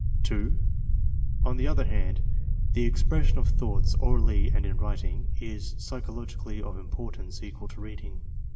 (2) On the other hand, the expression of thoughts, orally and in writing, is psychologically of importance equal to reading.